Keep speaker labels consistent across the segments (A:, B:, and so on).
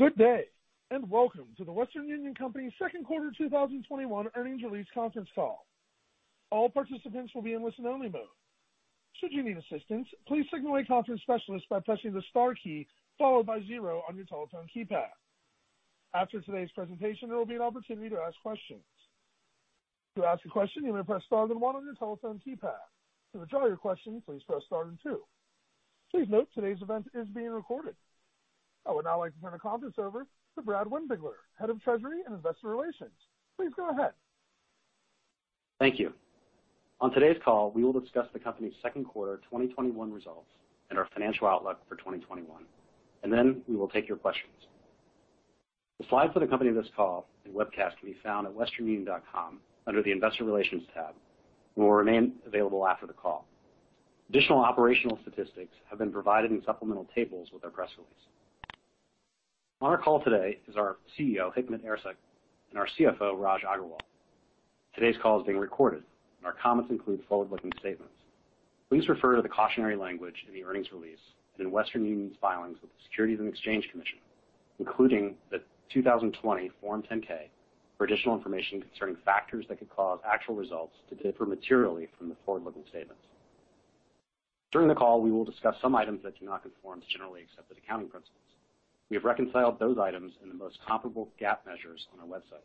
A: Good day, and welcome to The Western Union Company second quarter 2021 earnings release conference call. I would now like to turn the conference over to Brad Windbigler, Head of Treasury and Investor Relations. Please go ahead.
B: Thank you. On today's call, we will discuss the company's second quarter 2021 results and our financial outlook for 2021. We will take your questions. The slides for the company this call and webcast can be found at westernunion.com under the Investor Relations tab, will remain available after the call. Additional operational statistics have been provided in supplemental tables with our press release. On our call today is our CEO, Hikmet Ersek, and our CFO, Raj Agrawal. Today's call is being recorded, and our comments include forward-looking statements. Please refer to the cautionary language in the earnings release and in Western Union's filings with the Securities and Exchange Commission, including the 2020 Form 10-K for additional information concerning factors that could cause actual results to differ materially from the forward-looking statements. During the call, we will discuss some items that do not conform to generally accepted accounting principles. We have reconciled those items in the most comparable GAAP measures on our website,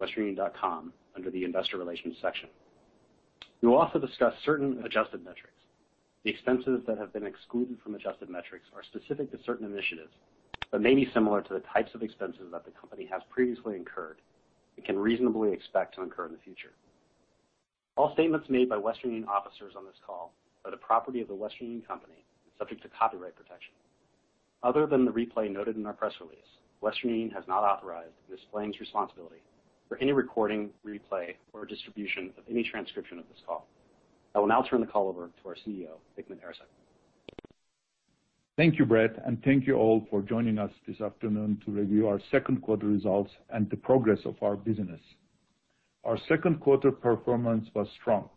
B: westernunion.com, under the Investor Relations section. We will also discuss certain adjusted metrics. The expenses that have been excluded from adjusted metrics are specific to certain initiatives, but may be similar to the types of expenses that the company has previously incurred and can reasonably expect to incur in the future. All statements made by Western Union officers on this call are the property of The Western Union Company and subject to copyright protection. Other than the replay noted in our press release, Western Union has not authorized and disclaims responsibility for any recording, replay, or distribution of any transcription of this call. I will now turn the call over to our CEO, Hikmet Ersek.
C: Thank you, Brad, and thank you all for joining us this afternoon to review our second quarter results and the progress of our business. Our second quarter performance was strong,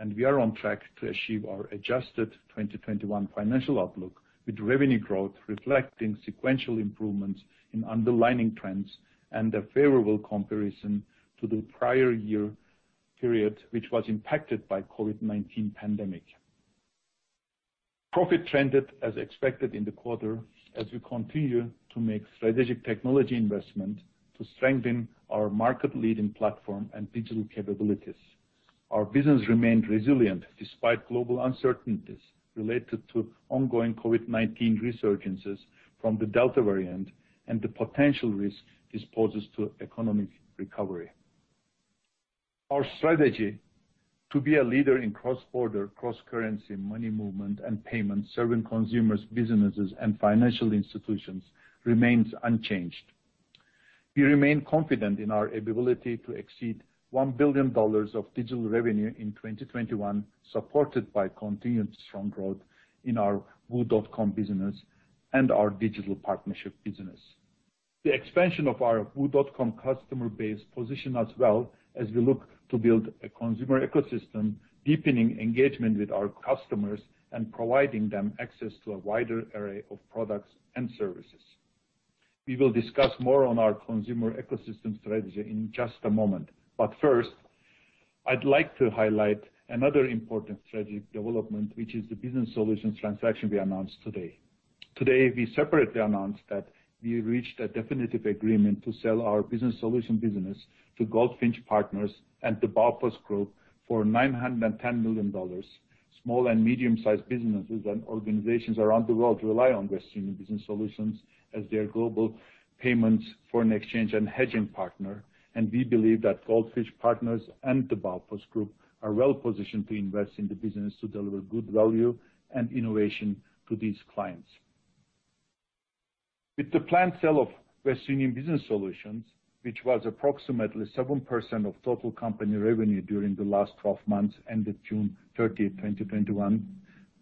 C: and we are on track to achieve our adjusted 2021 financial outlook, with revenue growth reflecting sequential improvements in underlying trends and a favorable comparison to the prior year period, which was impacted by COVID-19 pandemic. Profit trended as expected in the quarter as we continue to make strategic technology investment to strengthen our market-leading platform and digital capabilities. Our business remained resilient despite global uncertainties related to ongoing COVID-19 resurgences from the Delta variant and the potential risk this poses to economic recovery. Our strategy to be a leader in cross-border, cross-currency money movement and payments serving consumers, businesses, and financial institutions remains unchanged. We remain confident in our ability to exceed $1 billion of digital revenue in 2021, supported by continued strong growth in our wu.com business and our digital partnership business. The expansion of our wu.com customer base position us well as we look to build a consumer ecosystem, deepening engagement with our customers, and providing them access to a wider array of products and services. We will discuss more on our consumer ecosystem strategy in just a moment. First, I'd like to highlight another important strategic development, which is the Business Solutions transaction we announced today. Today, we separately announced that we reached a definitive agreement to sell our Business Solutions business to Goldfinch Partners and The Baupost Group for $910 million. Small and medium-sized businesses and organizations around the world rely on Western Union Business Solutions as their global payments, foreign exchange, and hedging partner. We believe that Goldfinch Partners and The Baupost Group are well-positioned to invest in the business to deliver good value and innovation to these clients. With the planned sale of Western Union Business Solutions, which was approximately 7% of total company revenue during the last 12 months ended June 30, 2021,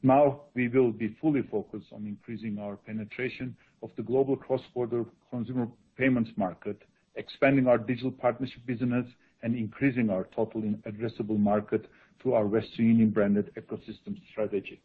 C: now we will be fully focused on increasing our penetration of the global cross-border consumer payments market, expanding our digital partnership business, and increasing our total addressable market through our Western Union-branded ecosystem strategy.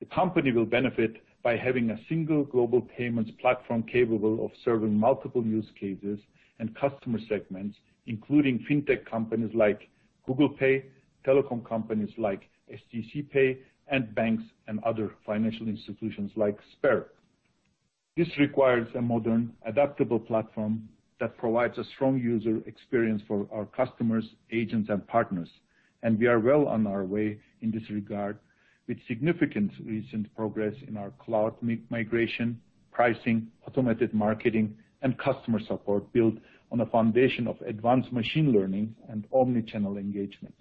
C: The company will benefit by having a single global payments platform capable of serving multiple use cases and customer segments, including fintech companies like Google Pay, telecom companies like stc pay, and banks and other financial institutions like Sber. This requires a modern, adaptable platform that provides a strong user experience for our customers, agents, and partners. We are well on our way in this regard, with significant recent progress in our cloud migration, pricing, automated marketing, and customer support built on a foundation of advanced machine learning and omni-channel engagement.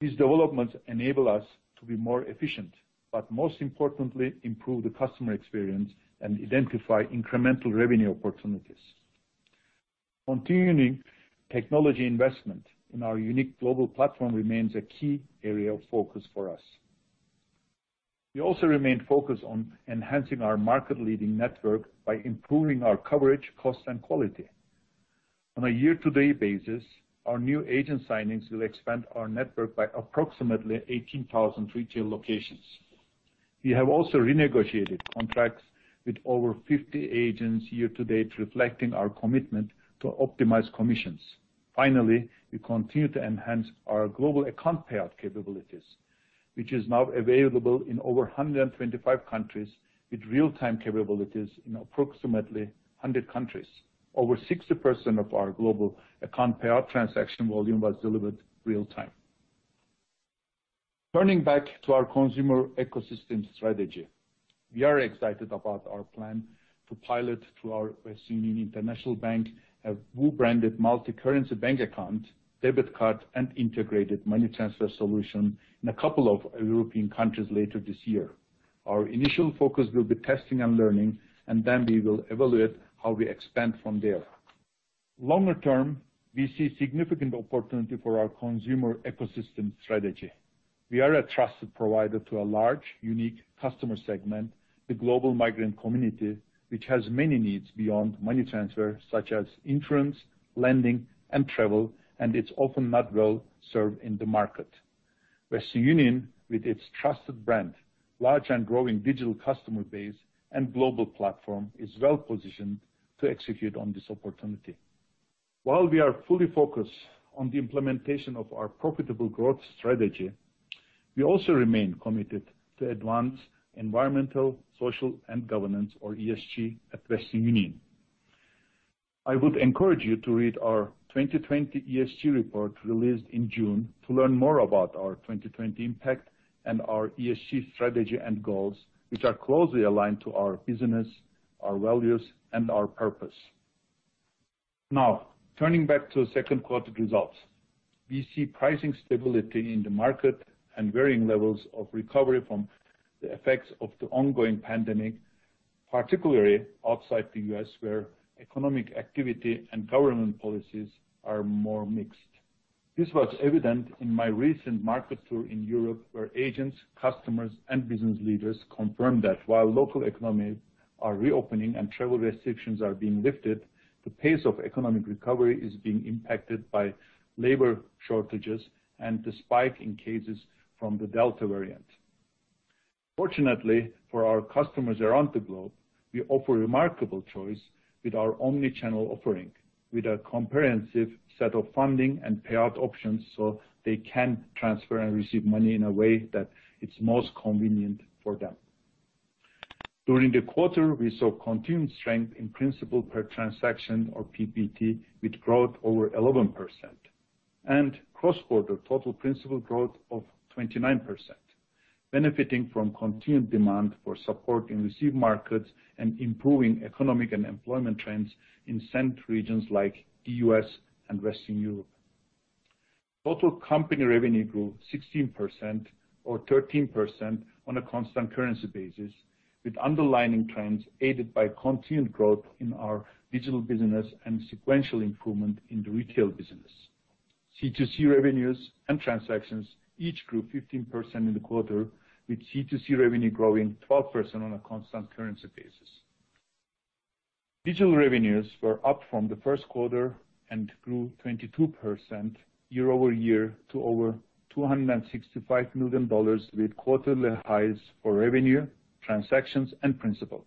C: These developments enable us to be more efficient, but most importantly, improve the customer experience and identify incremental revenue opportunities. Continuing technology investment in our unique global platform remains a key area of focus for us. We also remain focused on enhancing our market-leading network by improving our coverage, cost, and quality. On a year-to-date basis, our new agent signings will expand our network by approximately 18,000 retail locations. We have also renegotiated contracts with over 50 agents year-to-date, reflecting our commitment to optimize commissions. Finally, we continue to enhance our global account payout capabilities, which is now available in over 125 countries with real-time capabilities in approximately 100 countries. Over 60% of our global account payout transaction volume was delivered real-time. Turning back to our consumer ecosystem strategy, we are excited about our plan to pilot through our Western Union International Bank a WU-branded multicurrency bank account, debit card, and integrated money transfer solution in a couple of European countries later this year. Our initial focus will be testing and learning, and then we will evaluate how we expand from there. Longer term, we see significant opportunity for our consumer ecosystem strategy. We are a trusted provider to a large, unique customer segment, the global migrant community, which has many needs beyond money transfer, such as insurance, lending, and travel, and it's often not well-served in the market. Western Union, with its trusted brand, large and growing digital customer base, and global platform, is well-positioned to execute on this opportunity. While we are fully focused on the implementation of our profitable growth strategy, we also remain committed to advance environmental, social, and governance, or ESG, at Western Union. I would encourage you to read our 2020 ESG report released in June to learn more about our 2020 impact and our ESG strategy and goals, which are closely aligned to our business, our values, and our purpose. Now, turning back to second quarter results. We see pricing stability in the market and varying levels of recovery from the effects of the ongoing pandemic, particularly outside the U.S., where economic activity and government policies are more mixed. This was evident in my recent market tour in Europe, where agents, customers, and business leaders confirmed that while local economies are reopening and travel restrictions are being lifted, the pace of economic recovery is being impacted by labor shortages and the spike in cases from the Delta variant. Fortunately for our customers around the globe, we offer remarkable choice with our omni-channel offering, with a comprehensive set of funding and payout options so they can transfer and receive money in a way that it's most convenient for them. During the quarter, we saw continued strength in principal per transaction, or PPT, with growth over 11%, and cross-border total principal growth of 29%, benefiting from continued demand for support in receive markets and improving economic and employment trends in send regions like the U.S. and Western Europe. Total company revenue grew 16%, or 13% on a constant currency basis, with underlying trends aided by continued growth in our digital business and sequential improvement in the retail business. C2C revenues and transactions each grew 15% in the quarter, with C2C revenue growing 12% on a constant currency basis. Digital revenues were up from the first quarter and grew 22% year-over-year to over $265 million with quarterly highs for revenue, transactions, and principal.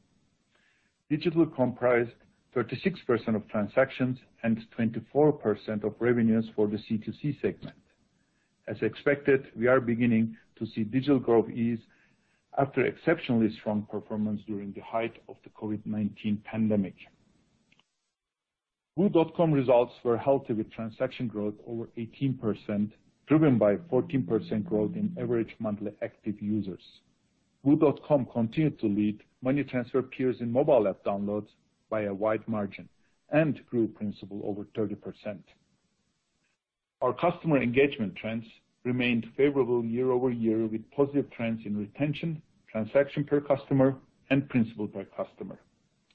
C: Digital comprised 36% of transactions and 24% of revenues for the C2C segment. As expected, we are beginning to see digital growth ease after exceptionally strong performance during the height of the COVID-19 pandemic. wu.com results were healthy, with transaction growth over 18%, driven by 14% growth in average monthly active users. wu.com continued to lead money transfer peers in mobile app downloads by a wide margin and grew principal over 30%. Our customer engagement trends remained favorable year-over-year with positive trends in retention, transaction per customer, and principal per customer.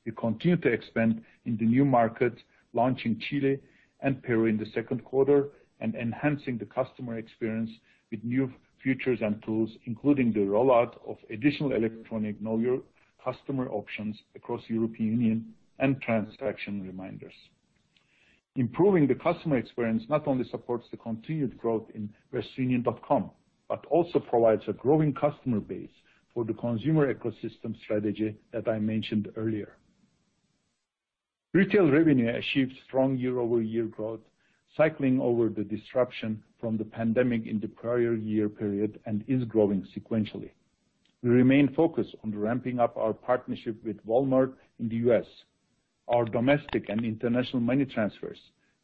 C: We continue to expand in the new markets, launching Chile and Peru in the second quarter and enhancing the customer experience with new features and tools, including the rollout of additional electronic Know Your Customer options across the European Union and transaction reminders. Improving the customer experience not only supports the continued growth in westernunion.com, but also provides a growing customer base for the consumer ecosystem strategy that I mentioned earlier. Retail revenue achieved strong year-over-year growth, cycling over the disruption from the pandemic in the prior year period and is growing sequentially. We remain focused on ramping up our partnership with Walmart in the U.S.. Our domestic and international money transfers,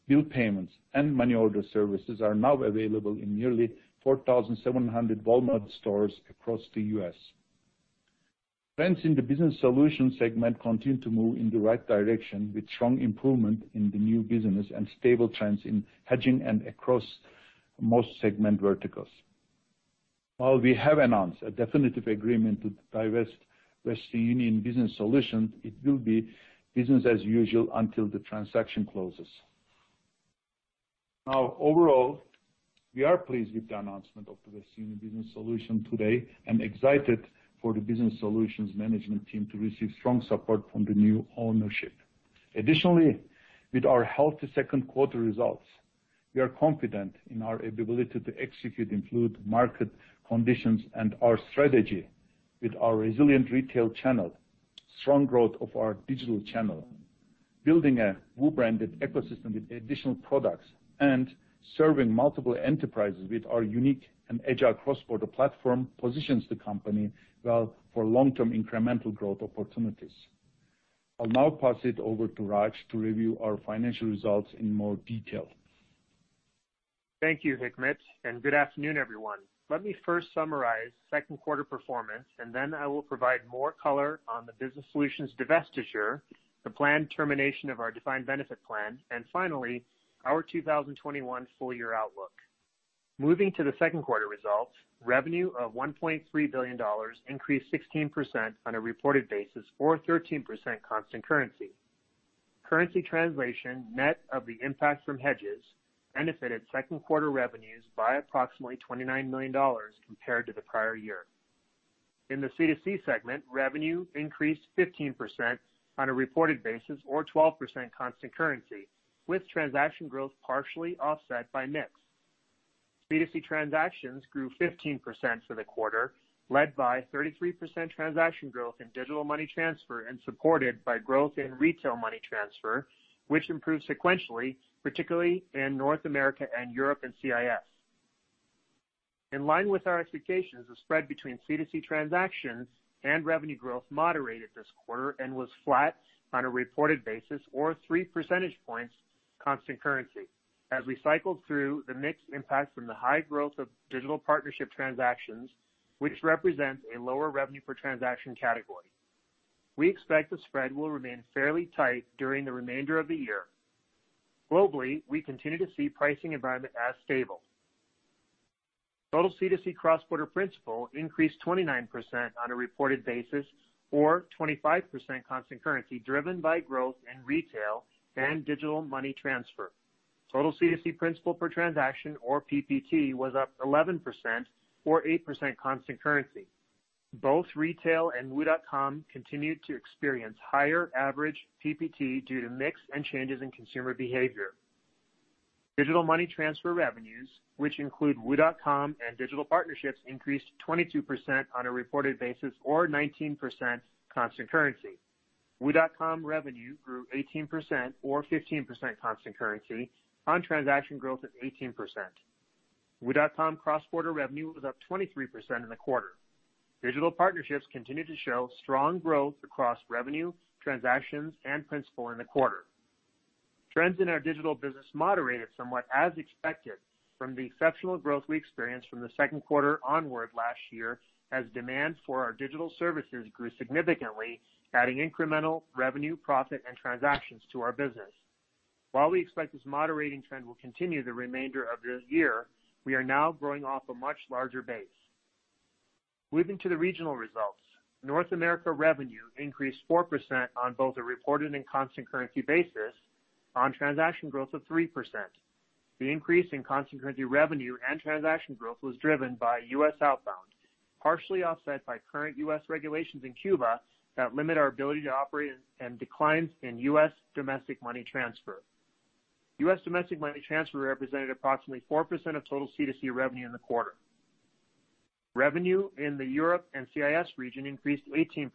C: bill payments, and money order services are now available in nearly 4,700 Walmart stores across the U.S.. Trends in the Business Solutions segment continue to move in the right direction, with strong improvement in the new business and stable trends in hedging and across most segment verticals. While we have announced a definitive agreement to divest Western Union Business Solutions, it will be business as usual until the transaction closes. Now overall, we are pleased with the announcement of today's sale of Business Solutions today and excited for the Business Solutions management team to receive strong support from the new ownership. Additionally, with our healthy second quarter results, we are confident in our ability to execute in fluid market conditions and our strategy with our resilient retail channel, strong growth of our digital channel, building a WU branded ecosystem with additional products, and serving multiple enterprises with our unique and agile cross-border platform positions the company well for long-term incremental growth opportunities. I'll now pass it over to Raj to review our financial results in more detail.
D: Thank you, Hikmet. Good afternoon, everyone. Let me first summarize second quarter performance. Then I will provide more color on the Business Solutions divestiture, the planned termination of our defined benefit plan, and finally, our 2021 full-year outlook. Moving to the second quarter results, revenue of $1.3 billion increased 16% on a reported basis or 13% constant currency. Currency translation net of the impact from hedges benefited second quarter revenues by approximately $29 million compared to the prior year. In the C2C segment, revenue increased 15% on a reported basis or 12% constant currency, with transaction growth partially offset by mix. C2C transactions grew 15% for the quarter, led by 33% transaction growth in digital money transfer and supported by growth in retail money transfer, which improved sequentially, particularly in North America and Europe and CIS. In line with our expectations, the spread between C2C transactions and revenue growth moderated this quarter and was flat on a 1 reported basis or 3 percentage points constant currency as we cycled through the mix impact from the high growth of digital partnership transactions, which represents a lower revenue per transaction category. We expect the spread will remain fairly tight during the remainder of the year. Globally, we continue to see pricing environment as stable. Total C2C cross-border principal increased 29% on a reported basis or 25% constant currency, driven by growth in retail and digital money transfer. Total C2C principal per transaction or PPT was up 11% or 8% constant currency. Both retail and wu.com continued to experience higher average PPT due to mix and changes in consumer behavior. Digital money transfer revenues, which include wu.com and digital partnerships, increased 22% on a reported basis or 19% constant currency. wu.com revenue grew 18% or 15% constant currency on transaction growth of 18%. wu.com cross-border revenue was up 23% in the quarter. Digital partnerships continued to show strong growth across revenue, transactions, and principal in the quarter. Trends in our digital business moderated somewhat as expected from the exceptional growth we experienced from the second quarter onward last year as demand for our digital services grew significantly, adding incremental revenue, profit and transactions to our business. While we expect this moderating trend will continue the remainder of this year, we are now growing off a much larger base. Moving to the regional results. North America revenue increased 4% on both a reported and constant currency basis on transaction growth of 3%. The increase in constant currency revenue and transaction growth was driven by U.S. outbound, partially offset by current U.S. regulations in Cuba that limit our ability to operate and declines in U.S. domestic money transfer. U.S. domestic money transfer represented approximately 4% of total C2C revenue in the quarter. Revenue in the Europe and CIS region increased 18%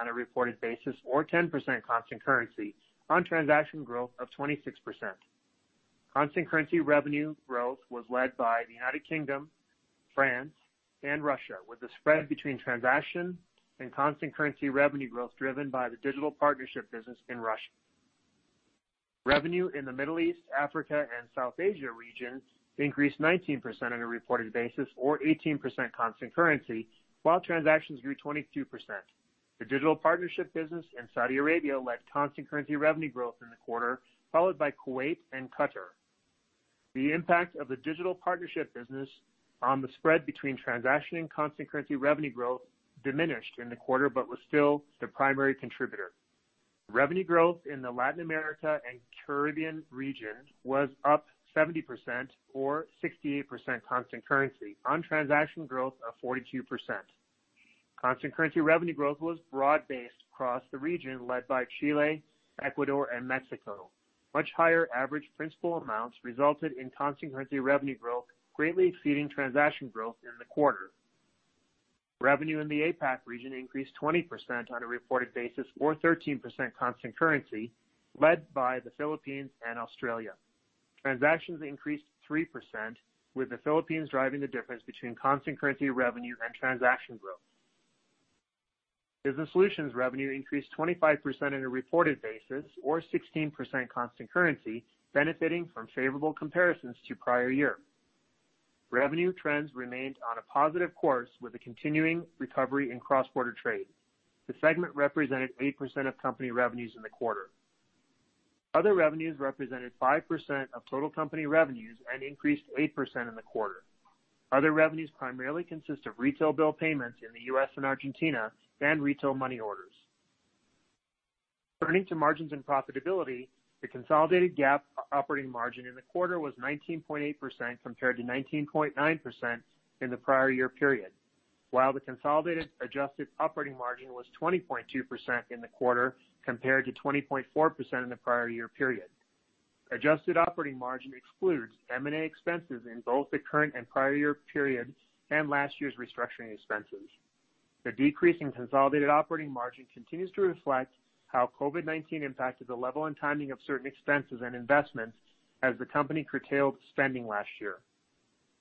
D: on a reported basis or 10% constant currency on transaction growth of 26%. Constant currency revenue growth was led by the United Kingdom, France, and Russia, with the spread between transaction and constant currency revenue growth driven by the digital partnership business in Russia. Revenue in the Middle East, Africa, and South Asia region increased 19% on a reported basis or 18% constant currency, while transactions grew 22%. The digital partnership business in Saudi Arabia led constant currency revenue growth in the quarter, followed by Kuwait and Qatar. The impact of the digital partnership business on the spread between transaction and constant currency revenue growth diminished in the quarter but was still the primary contributor. Revenue growth in the Latin America and Caribbean region was up 70% or 68% constant currency on transaction growth of 42%. Constant currency revenue growth was broad-based across the region led by Chile, Ecuador and Mexico. Much higher average principal amounts resulted in constant currency revenue growth greatly exceeding transaction growth in the quarter. Revenue in the APAC region increased 20% on a reported basis or 13% constant currency led by the Philippines and Australia. Transactions increased 3%, with the Philippines driving the difference between constant currency revenue and transaction growth. Business Solutions revenue increased 25% on a reported basis or 16% constant currency benefiting from favorable comparisons to prior year. Revenue trends remained on a positive course with a continuing recovery in cross-border trade. The segment represented 8% of company revenues in the quarter. Other revenues represented 5% of total company revenues and increased 8% in the quarter. Other revenues primarily consist of retail bill payments in the U.S. and Argentina and retail money orders. Turning to margins and profitability, the consolidated GAAP operating margin in the quarter was 19.8%, compared to 19.9% in the prior year period. While the consolidated adjusted operating margin was 20.2% in the quarter, compared to 20.4% in the prior year period. Adjusted operating margin excludes M&A expenses in both the current and prior year period, and last year's restructuring expenses. The decrease in consolidated operating margin continues to reflect how COVID-19 impacted the level and timing of certain expenses and investments as the company curtailed spending last year.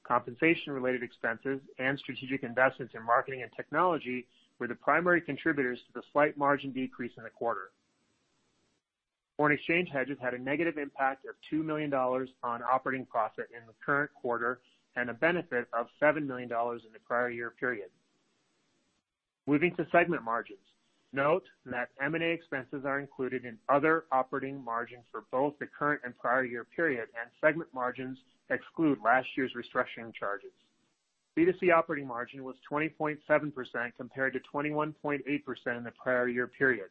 D: Compensation related expenses and strategic investments in marketing and technology were the primary contributors to the slight margin decrease in the quarter. Foreign exchange hedges had a negative impact of $2 million on operating profit in the current quarter, and a benefit of $7 million in the prior year period. Moving to segment margins. Note that M&A expenses are included in other operating margins for both the current and prior year period, and segment margins exclude last year's restructuring charges. C2C operating margin was 20.7% compared to 21.8% in the prior year period.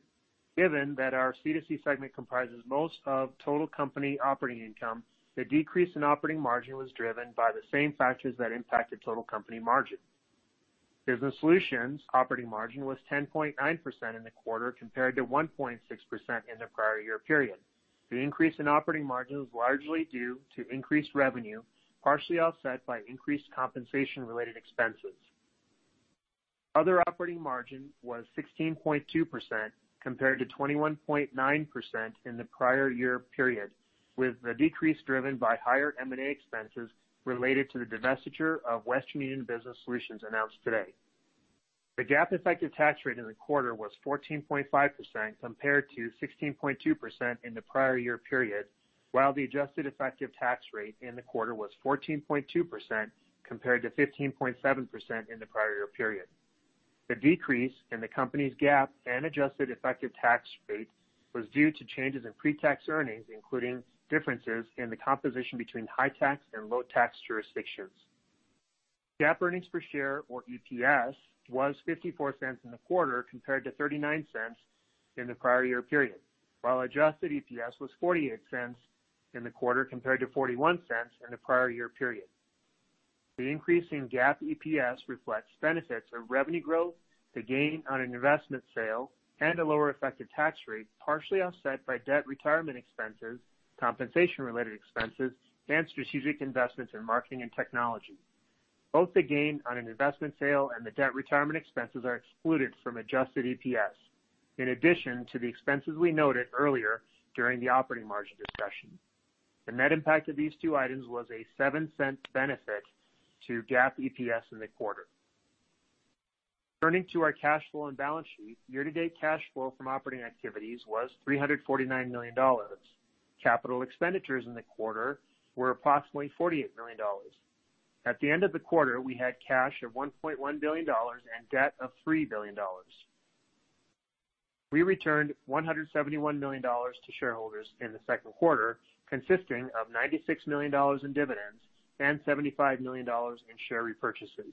D: Given that our C2C segment comprises most of total company operating income, the decrease in operating margin was driven by the same factors that impacted total company margin. Business Solutions operating margin was 10.9% in the quarter, compared to 1.6% in the prior year period. The increase in operating margin was largely due to increased revenue, partially offset by increased compensation related expenses. Other operating margin was 16.2% compared to 21.9% in the prior year period, with the decrease driven by higher M&A expenses related to the divestiture of Western Union Business Solutions announced today. The GAAP effective tax rate in the quarter was 14.5% compared to 16.2% in the prior year period, while the adjusted effective tax rate in the quarter was 14.2% compared to 15.7% in the prior year period. The decrease in the company's GAAP and adjusted effective tax rate was due to changes in pre-tax earnings, including differences in the composition between high-tax and low-tax jurisdictions. GAAP earnings per share or EPS was $0.04 in the quarter compared to $0.39 in the prior year period. While adjusted EPS was $0.48 in the quarter compared to $0.41 in the prior year period. The increase in GAAP EPS reflects benefits of revenue growth to gain on an investment sale and a lower effective tax rate, partially offset by debt retirement expenses, compensation related expenses, and strategic investments in marketing and technology. Both the gain on an investment sale and the debt retirement expenses are excluded from adjusted EPS. In addition to the expenses we noted earlier during the operating margin discussion. The net impact of these two items was a $0.07 benefit to GAAP EPS in the quarter. Turning to our cash flow and balance sheet. Year-to-date cash flow from operating activities was $349 million. Capital expenditures in the quarter were approximately $48 million. At the end of the quarter, we had cash of $1.1 billion and debt of $3 billion. We returned $171 million to shareholders in the second quarter, consisting of $96 million in dividends and $75 million in share repurchases.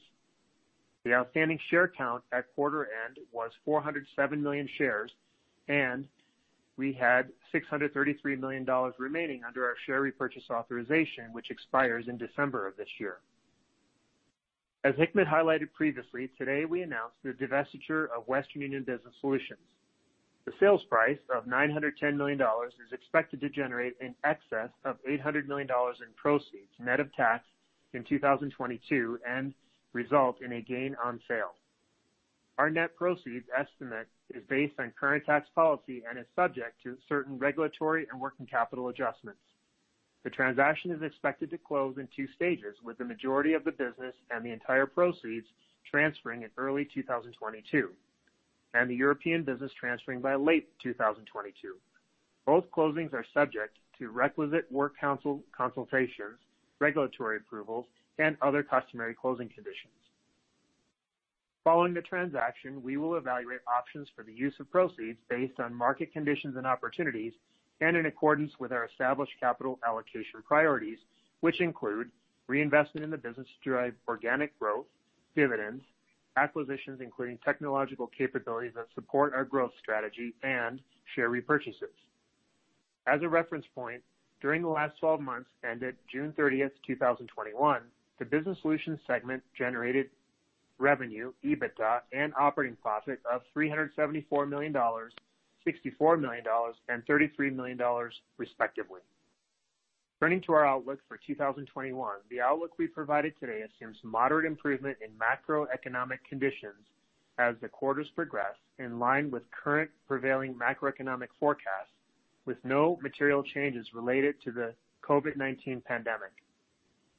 D: The outstanding share count at quarter end was 407 million shares, and we had $633 million remaining under our share repurchase authorization, which expires in December of this year. As Hikmet highlighted previously, today we announced the divestiture of Western Union Business Solutions. The sales price of $910 million is expected to generate in excess of $800 million in proceeds, net of tax, in 2022, and result in a gain on sale. Our net proceeds estimate is based on current tax policy and is subject to certain regulatory and working capital adjustments. The transaction is expected to close in two stages, with the majority of the business and the entire proceeds transferring in early 2022, and the European business transferring by late 2022. Both closings are subject to requisite work council consultations, regulatory approvals, and other customary closing conditions. Following the transaction, we will evaluate options for the use of proceeds based on market conditions and opportunities, and in accordance with our established capital allocation priorities, which include reinvestment in the business to drive organic growth, dividends, acquisitions including technological capabilities that support our growth strategy and share repurchases. As a reference point, during the last 12 months ended June 30th, 2021, the Business Solutions segment generated revenue, EBITDA, and operating profit of $374 million, $64 million, and $33 million respectively. Turning to our outlook for 2021. The outlook we provided today assumes moderate improvement in macroeconomic conditions as the quarters progress in line with current prevailing macroeconomic forecasts, with no material changes related to the COVID-19 pandemic.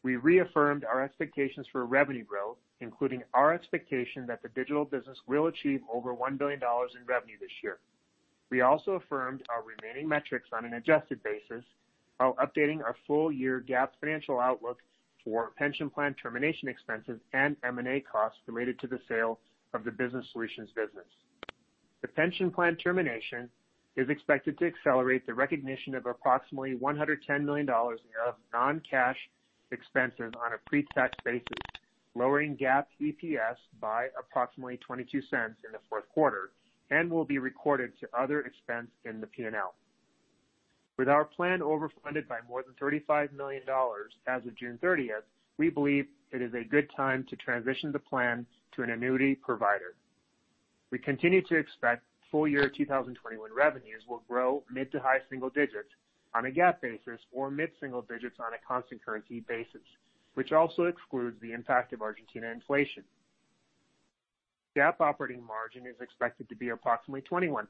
D: We reaffirmed our expectations for revenue growth, including our expectation that the digital business will achieve over $1 billion in revenue this year. We also affirmed our remaining metrics on an adjusted basis, while updating our full-year GAAP financial outlook for pension plan termination expenses and M&A costs related to the sale of the Business Solutions business. The pension plan termination is expected to accelerate the recognition of approximately $110 million in non-cash expenses on a pre-tax basis lowering GAAP EPS by approximately $0.22 in the fourth quarter and will be recorded to other expense in the P&L. With our plan overfunded by more than $35 million as of June 30th, we believe it is a good time to transition the plan to an annuity provider. We continue to expect full-year 2021 revenues will grow mid to high single digits on a GAAP basis or mid single digits on a constant currency basis, which also excludes the impact of Argentina inflation. GAAP operating margin is expected to be approximately 21%,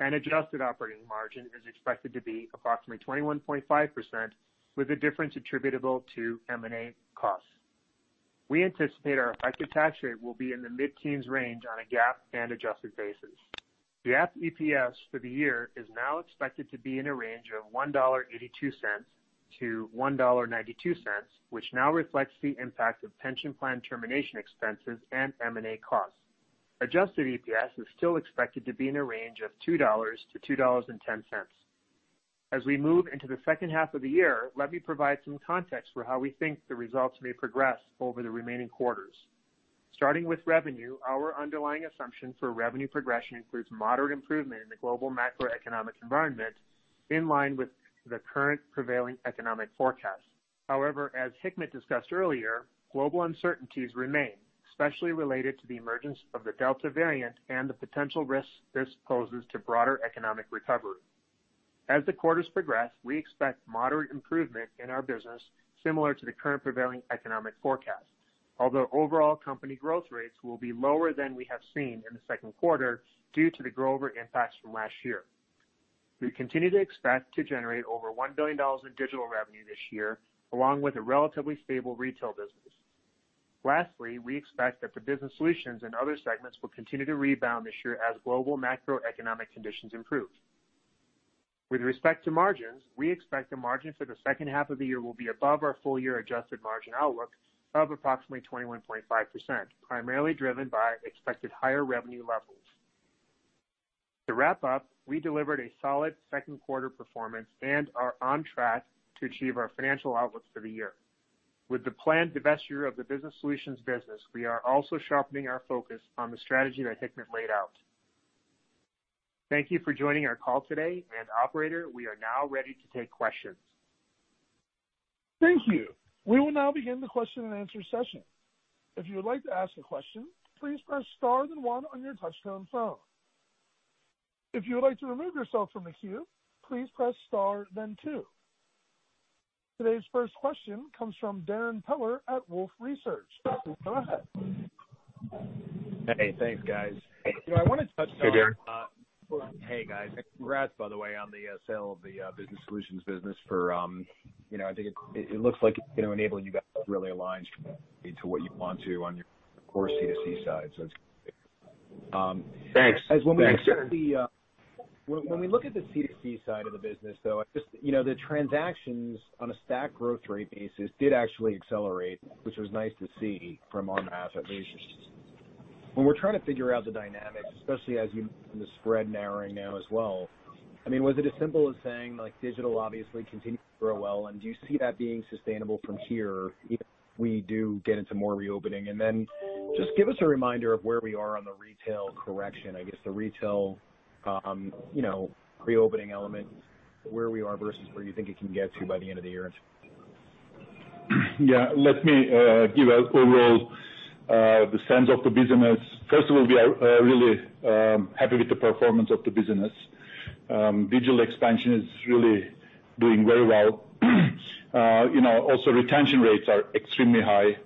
D: and adjusted operating margin is expected to be approximately 21.5%, with the difference attributable to M&A costs. We anticipate our effective tax rate will be in the mid-teens range on a GAAP and adjusted basis. The GAAP EPS for the year is now expected to be in a range of $1.82-$1.92, which now reflects the impact of pension plan termination expenses and M&A costs. Adjusted EPS is still expected to be in a range of $2-$2.10. As we move into the second half of the year, let me provide some context for how we think the results may progress over the remaining quarters. Starting with revenue, our underlying assumption for revenue progression includes moderate improvement in the global macroeconomic environment, in line with the current prevailing economic forecast. However, as Hikmet discussed earlier, global uncertainties remain, especially related to the emergence of the Delta variant and the potential risks this poses to broader economic recovery. As the quarters progress, we expect moderate improvement in our business similar to the current prevailing economic forecast. Although overall company growth rates will be lower than we have seen in the second quarter, due to the grow-over impacts from last year. We continue to expect to generate over $1 billion in digital revenue this year, along with a relatively stable retail business. Lastly, we expect that the Business Solutions and other segments will continue to rebound this year as global macroeconomic conditions improve. With respect to margins, we expect the margin for the second half of the year will be above our full-year adjusted margin outlook of approximately 21.5%, primarily driven by expected higher revenue levels. To wrap up, we delivered a solid second quarter performance and are on track to achieve our financial outlook for the year. With the planned divesture of the Business Solutions business, we are also sharpening our focus on the strategy that Hikmet laid out. Thank you for joining our call today, operator, we are now ready to take questions.
A: Thank you. We will now begin the question and answer session. If you would like to ask a question, please press star then one on your touch-tone phone. If you would like to remove yourself from the queue, please press star then two. Today's first question comes from Darrin Peller at Wolfe Research. Go ahead.
E: Hey, thanks guys.
D: Hey, Darrin.
E: Hey, guys. Congrats, by the way, on the sale of the Business Solutions business. I think it looks like it's going to enable you guys to really align into what you want to on your core C2C side. That's great.
D: Thanks.
E: When we look at the C2C side of the business, though, the transactions on a stack growth rate basis did actually accelerate, which was nice to see from the asset ratios. When we're trying to figure out the dynamics, especially as you look at the spread narrowing now as well, was it as simple as saying digital obviously continues to grow well, and do you see that being sustainable from here even if we do get into more reopening? Then just give us a reminder of where we are on the retail correction, I guess the retail reopening element, where we are versus where you think it can get to by the end of the year.
C: Yeah. Let me give a overall sense of the business. First of all, we are really happy with the performance of the business. Digital expansion is really doing very well. Also, retention rates are extremely high.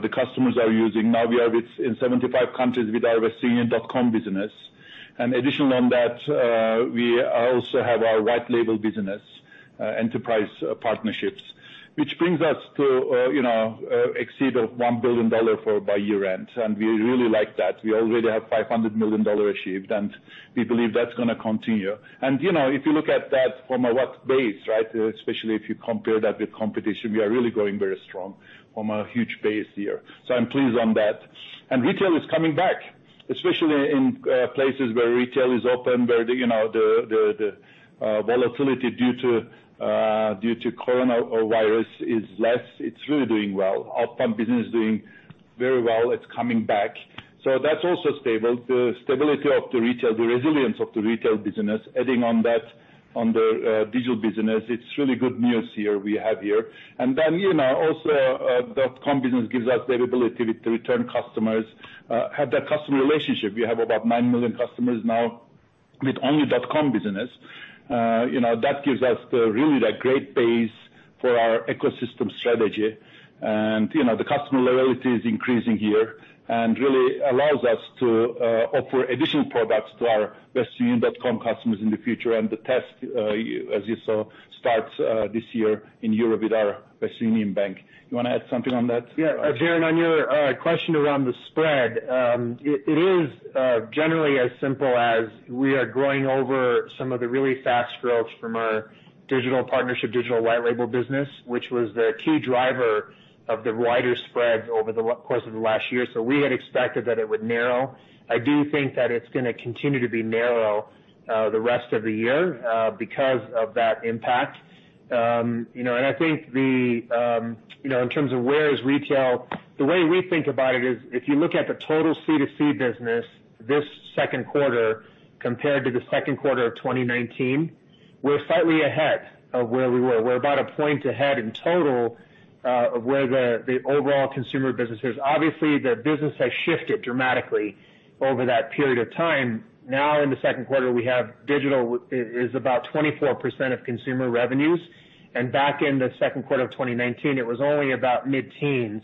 C: The customers are using. Now we are in 75 countries with our westernunion.com business. Additional on that, we also have our white label business enterprise partnerships, which brings us to exceed of $1 billion by year-end. We really like that. We already have $500 million achieved. We believe that's going to continue. If you look at that from a what base, especially if you compare that with competition, we are really growing very strong from a huge base here. I'm pleased on that. Retail is coming back, especially in places where retail is open, where the volatility due to coronavirus is less. It's really doing well. Our payout business is doing very well. It's coming back. That's also stable. The stability of the retail, the resilience of the retail business. Adding on that on the digital business, it's really good news here we have here. Also wu.com business gives us the ability with the return customers, have that customer relationship. We have about 9 million customers now with only wu.com business. That gives us really that great base for our ecosystem strategy. The customer loyalty is increasing here and really allows us to offer additional products to our WesternUnion.com customers in the future. The test, as you saw, starts this year in Europe with our Western Union Bank. You want to add something on that?
D: Darrin, on your question around the spread. It is generally as simple as we are growing over some of the really fast growths from our digital partnership, digital white label business, which was the key driver of the wider spread over the course of the last year. We had expected that it would narrow. I do think that it's going to continue to be narrow the rest of the year because of that impact. I think in terms of where is retail, the way we think about it is if you look at the total C2C business this second quarter compared to the second quarter of 2019. We're slightly ahead of where we were. We're about a point ahead in total of where the overall consumer business is. Obviously, the business has shifted dramatically over that period of time. Now in the second quarter, we have digital is about 24% of consumer revenues, and back in the second quarter of 2019, it was only about mid-teens.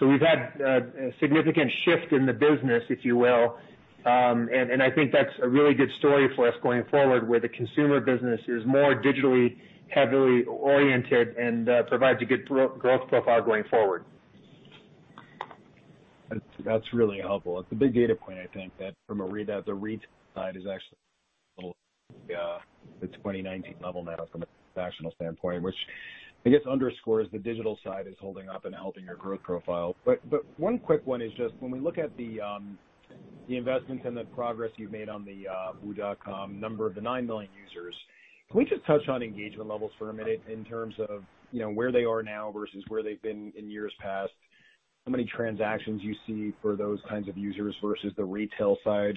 D: We've had a significant shift in the business, if you will. I think that's a really good story for us going forward, where the consumer business is more digitally heavily oriented and provides a good growth profile going forward.
E: That's really helpful. It's a big data point, I think, that from a readout, the retail side is actually the 2019 level now from a transactional standpoint, which I guess underscores the digital side is holding up and helping your growth profile. One quick one is just when we look at the investments and the progress you've made on the wu.com number of the 9 million users, can we just touch on engagement levels for a minute in terms of where they are now versus where they've been in years past? How many transactions you see for those kinds of users versus the retail side,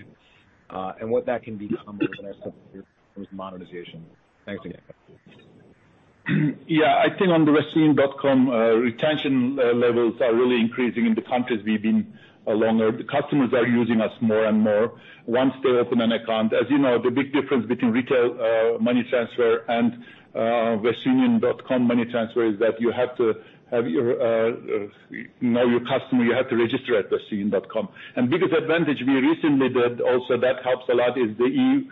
E: and what that can become over the next couple of years in terms of monetization. Thanks again.
C: Yeah. I think on the westernunion.com, retention levels are really increasing in the countries we've been longer. The customers are using us more and more once they open an account. As you know, the big difference between retail money transfer and westernunion.com money transfer is that you have to know your customer, you have to register at westernunion.com. Biggest advantage we recently did also that helps a lot is the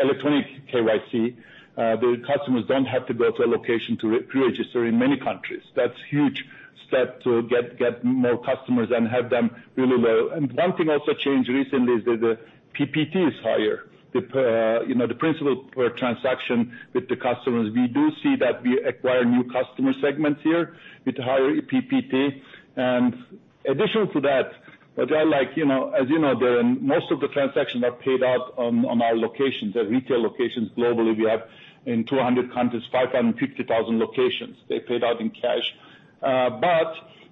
C: electronic KYC. The customers don't have to go to a location to pre-register in many countries. That's huge step to get more customers and have them really low. One thing also changed recently is that the PPT is higher. The principle per transaction with the customers. We do see that we acquire new customer segments here with higher PPT. Additional to that, as you know, most of the transactions are paid out on our locations, our retail locations globally, we have in 200 countries, 550,000 locations. They're paid out in cash.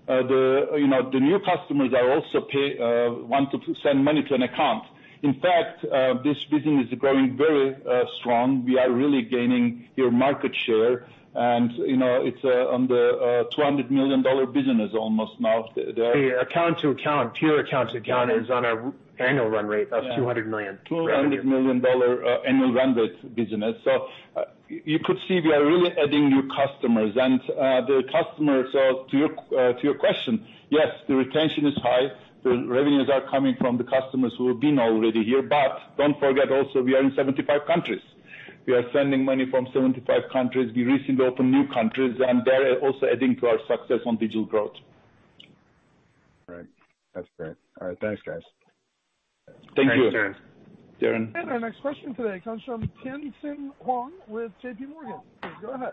C: The new customers also want to send money to an account. In fact, this business is growing very strong. We are really gaining here market share, and it's under a $200 million business almost now.
D: The account to account, peer account to account is on our annual run rate of $200 million.
C: $200 million annual run rate business. You could see we are really adding new customers. To your question, yes, the retention is high. The revenues are coming from the customers who have been already here. Don't forget also, we are in 75 countries. We are sending money from 75 countries. We recently opened new countries, and they're also adding to our success on digital growth.
E: Right. That's great. All right. Thanks, guys.
C: Thank you.
D: Thanks, Darrin.
A: Our next question today comes from Tien-Tsin Huang with JPMorgan. Please go ahead.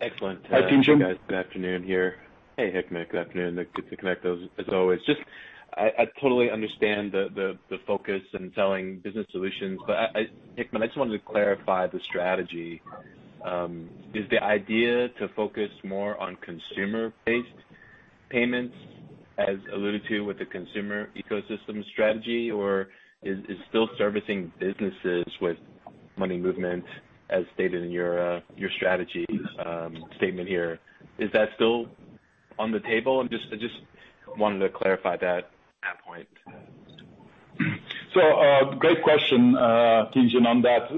F: Excellent.
C: Hi, Tien-Tsin.
F: Hi, guys. Good afternoon here. Hey, Hikmet, good afternoon. Good to connect as always. I totally understand the focus in selling Business Solutions, but Hikmet, I just wanted to clarify the strategy. Is the idea to focus more on consumer-based payments as alluded to with the consumer ecosystem strategy, or is still servicing businesses with money movement as stated in your strategy statement here? Is that still on the table? I just wanted to clarify that point.
C: Great question, Tien-Tsin, on that.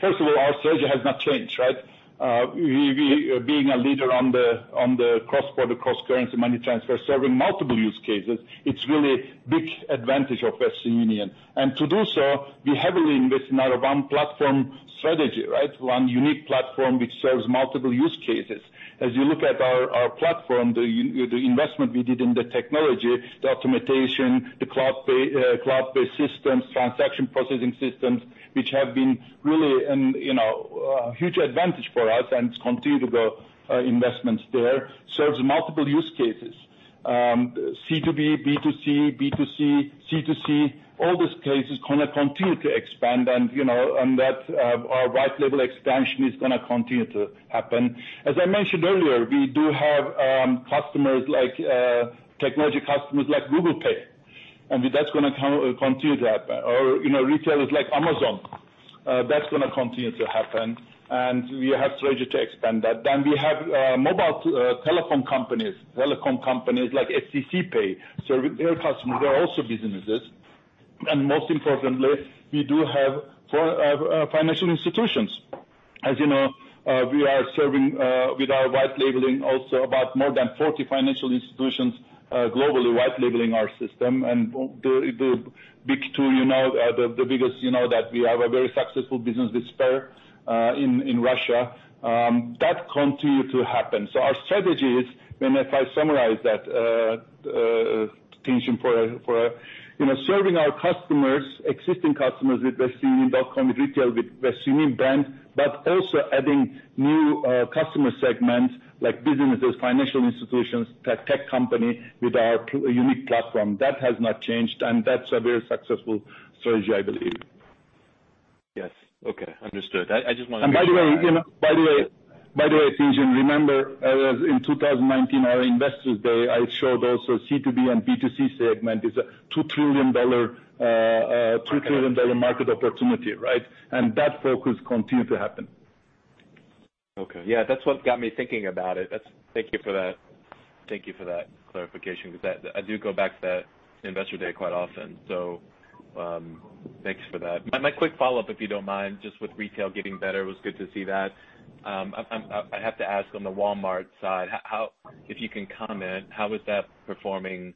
C: First of all, our strategy has not changed, right. Being a leader on the cross-border cost currency money transfer, serving multiple use cases, it's really big advantage of Western Union. To do so, we heavily invest in our one platform strategy, right. One unique platform which serves multiple use cases. As you look at our platform, the investment we did in the technology, the automation, the cloud-based systems, transaction processing systems, which have been really a huge advantage for us and it's continual investments there, serves multiple use cases. C2B, B2C, C2C, all these cases going to continue to expand, our white label expansion is going to continue to happen. As I mentioned earlier, we do have technology customers like Google Pay, that's going to continue to happen. Retailers like Amazon, that's going to continue to happen. We have strategy to expand that. We have mobile telephone companies, telecom companies like stc pay, serving their customers who are also businesses. Most importantly, we do have financial institutions. As you know, we are serving with our white labeling also about more than 40 financial institutions globally white labeling our system. The biggest that we have a very successful business with Sber in Russia. That continue to happen. Our strategy is, if I summarize that, Tien-Tsin, for serving our customers, existing customers with westernunion.com, with retail, with Western Union brand, but also adding new customer segments like businesses, financial institutions, tech company with our unique platform. That has not changed, that's a very successful strategy, I believe.
F: Yes. Okay. Understood.
C: By the way, Tien-Tsin, remember in 2019, our Investor Day, I showed also C2B and B2C segment is a $2 trillion market opportunity, right? That focus continued to happen.
F: Okay. Yeah, that's what got me thinking about it. Thank you for that clarification, because I do go back to that Investor Day quite often. Thanks for that. My quick follow-up, if you don't mind, just with retail getting better, it was good to see that. I have to ask on the Walmart side, if you can comment, how is that performing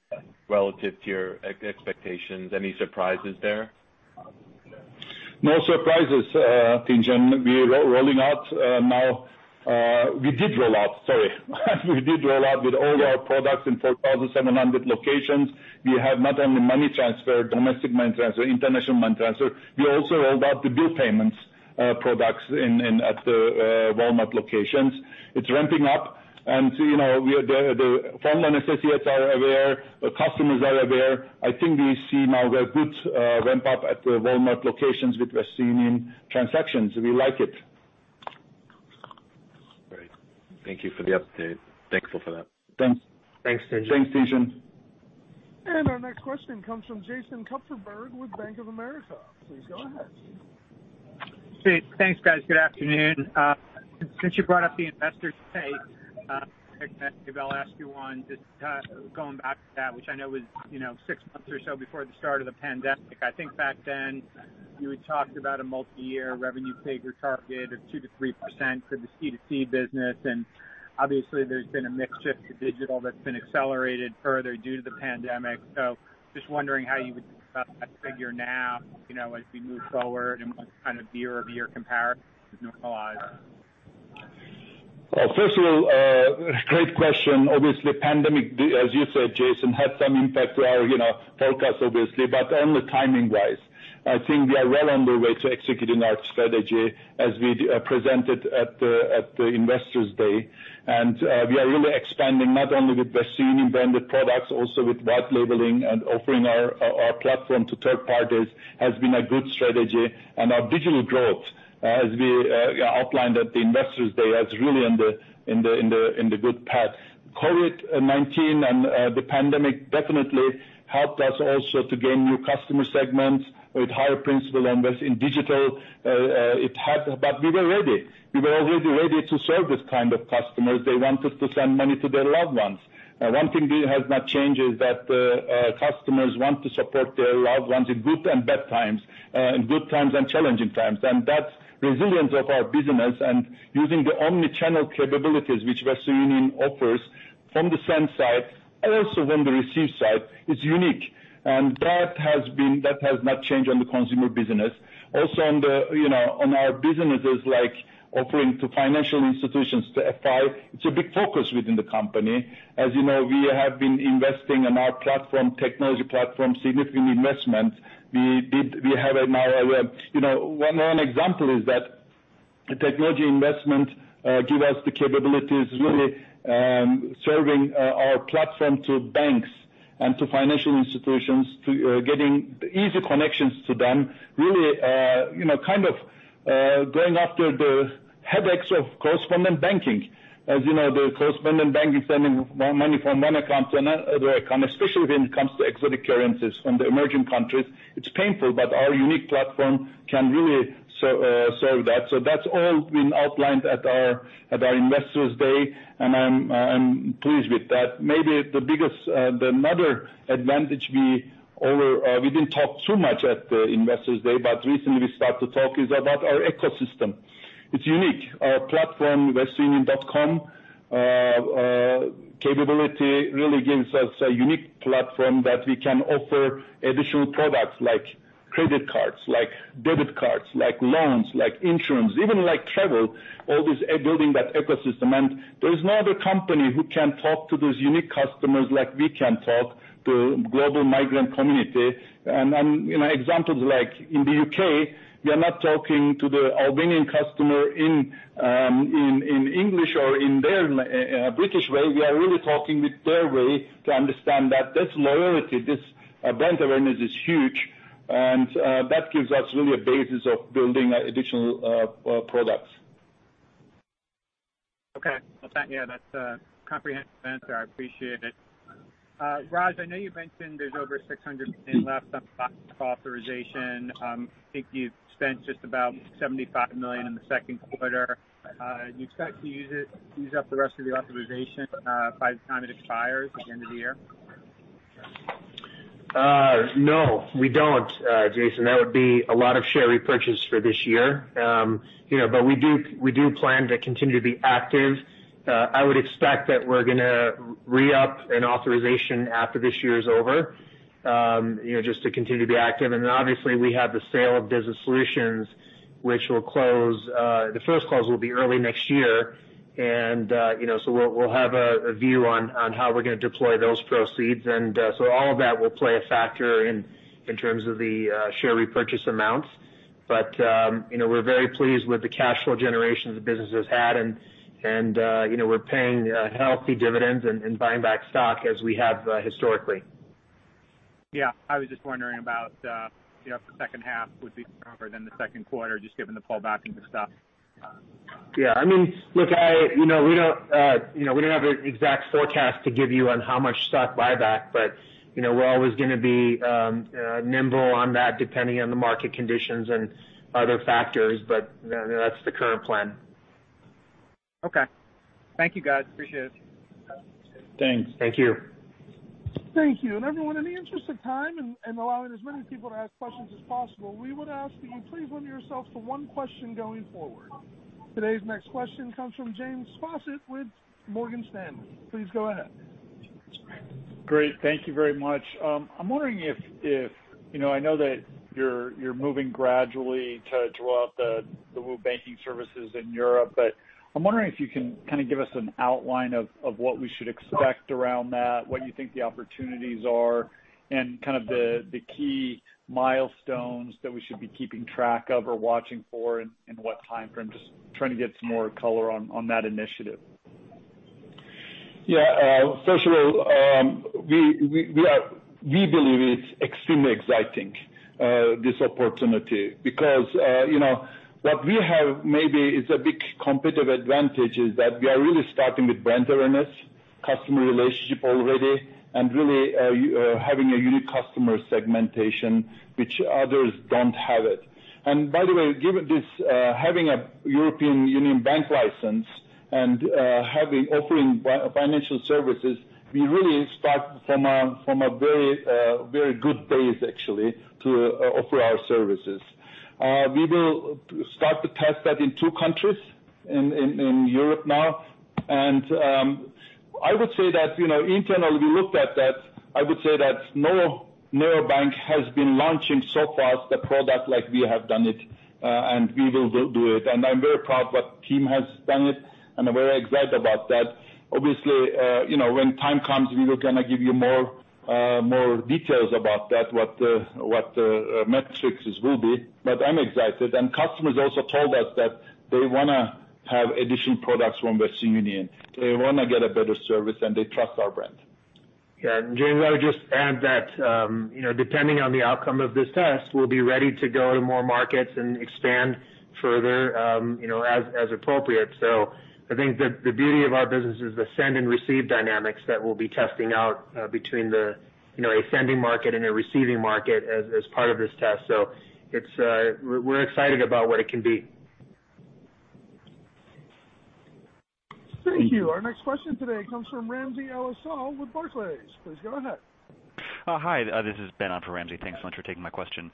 F: relative to your expectations? Any surprises there?
C: No surprises, Tien-Tsin. We are rolling out now. We did roll out with all our products in 4,700 locations. We have not only money transfer, domestic money transfer, international money transfer, we also rolled out the bill payments products at the Walmart locations. It's ramping up and the Walmart associates are aware, the customers are aware. I think we see now a good ramp-up at the Walmart locations with Western Union transactions. We like it.
F: Great. Thank you for the update. Thankful for that.
C: Thanks.
D: Thanks, Tien-Tsin.
C: Thanks, Tien-Tsin.
A: Our next question comes from Jason Kupferberg with Bank of America. Please go ahead.
G: Thanks, guys. Good afternoon. Since you brought up the Investor Day, Hikmet, maybe I'll ask you one just going back to that, which I know was six months or so before the start of the pandemic. I think back then you had talked about a multi-year revenue figure target of 2%-3% for the C2C business, and obviously there's been a mix shift to digital that's been accelerated further due to the pandemic. Just wondering how you would think about that figure now, as we move forward and what kind of year-over-year comparison is normalized.
C: First of all, great question. Obviously pandemic, as you said, Jason, had some impact to our forecast obviously, but only timing-wise. I think we are well on the way to executing our strategy as we presented at the Investor Day. We are really expanding not only with Western Union-branded products, also with white labeling and offering our platform to third parties has been a good strategy. Our digital growth, as we outlined at the Investor Day, is really in the good path. COVID-19 and the pandemic definitely helped us also to gain new customer segments with higher principal investors in digital. We were ready. We were already ready to serve this kind of customers. They wanted to send money to their loved ones. One thing we have not changed is that customers want to support their loved ones in good and bad times, in good times and challenging times. That's resilience of our business and using the omni-channel capabilities which Western Union offers from the send side, also from the receive side, is unique. That has not changed on the consumer business. Also on our businesses like offering to financial institutions to FI, it's a big focus within the company. As you know, we have been investing in our technology platform, significant investments. One example is that the technology investment give us the capabilities really serving our platform to banks and to financial institutions to getting easy connections to them, really going after the headaches of correspondent banking. As you know, the correspondent banking, sending money from one account to another account, especially when it comes to exotic currencies from the emerging countries, it's painful, but our unique platform can really serve that. That's all been outlined at our Investor Day, and I'm pleased with that. Maybe another advantage we didn't talk too much at the Investor Day, but recently we start to talk is about our ecosystem. It's unique. Our platform, westernunion.com capability really gives us a unique platform that we can offer additional products like credit cards, like debit cards, like loans, like insurance, even like travel, all this building that ecosystem. There is no other company who can talk to those unique customers like we can talk to global migrant community. Examples like in the U.K., we are not talking to the Albanian customer in English or in their British way. We are really talking with their way to understand that this loyalty, this brand awareness is huge, and that gives us really a basis of building additional products.
G: Okay. Yeah, that's a comprehensive answer. I appreciate it. Raj, I know you've mentioned there's over $600 million left on buyback authorization. I think you've spent just about $75 million in the second quarter. Do you expect to use up the rest of the authorization by the time it expires at the end of the year?
D: No, we don't, Jason. That would be a lot of share repurchase for this year. We do plan to continue to be active. I would expect that we're going to re-up an authorization after this year is over, just to continue to be active. Then obviously, we have the sale of Business Solutions, which the first close will be early next year. So we'll have a view on how we're going to deploy those proceeds. So all of that will play a factor in terms of the share repurchase amounts. We're very pleased with the cash flow generation the business has had and we're paying healthy dividends and buying back stock as we have historically.
G: Yeah. I was just wondering about if the second half would be stronger than the second quarter, just given the pullback in the stock.
D: Yeah. We don't have an exact forecast to give you on how much stock buyback, but we're always going to be nimble on that depending on the market conditions and other factors, but that's the current plan.
G: Okay. Thank you, guys. Appreciate it.
D: Thanks.
C: Thank you.
A: Thank you. Everyone, in the interest of time and allowing as many people to ask questions as possible, we would ask that you please limit yourself to one question going forward. Today's next question comes from James Faucette with Morgan Stanley. Please go ahead.
H: Great. Thank you very much. I know that you're moving gradually to roll out the WU banking services in Europe, I'm wondering if you can give us an outline of what we should expect around that, what you think the opportunities are, and the key milestones that we should be keeping track of or watching for, and what timeframe. Just trying to get some more color on that initiative.
C: Yeah. First of all, we believe it's extremely exciting, this opportunity, because what we have maybe is a big competitive advantage is that we are really starting with brand awareness, customer relationship already, and really having a unique customer segmentation, which others don't have it. By the way, having a European Union bank license and offering financial services, we really start from a very good base, actually, to offer our services. We will start to test that in two countries in Europe now. I would say that internally, we looked at that. I would say that no bank has been launching so far the product like we have done it, and we will do it. I'm very proud what team has done it, and I'm very excited about that. Obviously, when time comes, we will give you more details about that, what the metrics will be. I'm excited. Customers also told us that they want to have additional products from Western Union. They want to get a better service, and they trust our brand.
D: Yeah. James, I would just add that depending on the outcome of this test, we'll be ready to go to more markets and expand further as appropriate. I think the beauty of our business is the send and receive dynamics that we'll be testing out between a sending market and a receiving market as part of this test. We're excited about what it can be.
A: Thank you. Our next question today comes from Ramsey El-Assal with Barclays. Please go ahead.
I: Hi. This is Ben on for Ramsey. Thanks so much for taking my question.